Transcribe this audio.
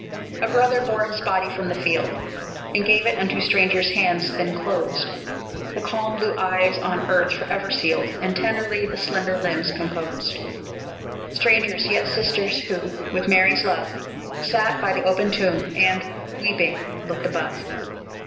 A brother bore his body from the field, And gave it unto strangers' hands, that closed The calm blue eyes on earth forever sealed, And tenderly the slender limbs composed: Strangers, yet sisters, who, with Mary's love, Sat by the open tomb, and, weeping, looked above.